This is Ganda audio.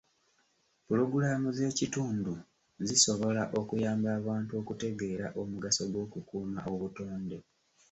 Pulogulaamu z'ekitundu zisobola okuyamba abantu okutegeera omugaso gw'okukuuma obutonde.